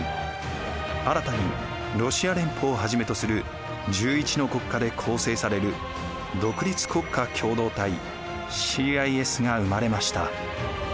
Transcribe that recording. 新たにロシア連邦をはじめとする１１の国家で構成される独立国家共同体が生まれました。